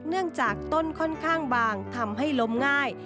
เนื่องจากต้นค่อนข้างบางทำให้ล้มง่าย